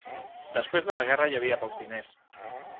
Després de la guerra hi havia pocs diners.